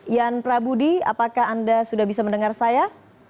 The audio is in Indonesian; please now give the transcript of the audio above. yan prabudi apakah anda sudah bisa mendengar saya